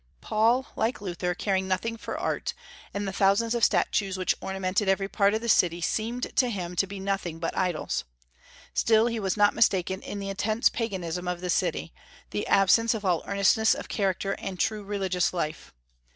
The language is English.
Paul, like Luther, cared nothing for art; and the thousands of statues which ornamented every part of the city seemed to him to be nothing but idols. Still, he was not mistaken in the intense paganism of the city, the absence of all earnestness of character and true religious life.